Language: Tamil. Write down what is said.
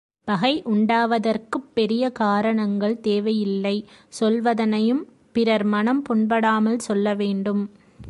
பகை உண்டாவதற்குப் பெரிய காரணங்கள் தேவை இல்லை சொல்வதனையும் பிறர்மனம் புண்படாமல் சொல்ல வேண்டும்.